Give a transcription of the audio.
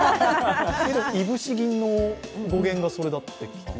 いぶし銀の語源がそれだって。